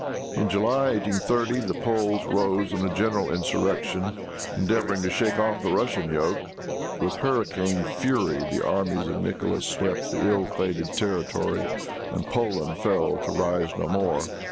In July, 1830, the Poles rose in a general insurrection, endeavoring to shake off the Russian yoke. With hurricane fury the armies of Nicholas swept the ill fated territory, and Poland fell to rise no more.